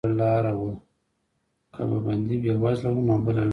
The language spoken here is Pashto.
که به بندي بېوزلی و نو بله لاره وه.